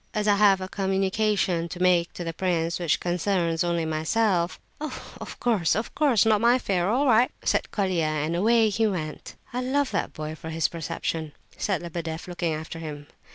"As I have a communication to make to the prince which concerns only myself—" "Of course, of course, not my affair. All right," said Colia, and away he went. "I love that boy for his perception," said Lebedeff, looking after him.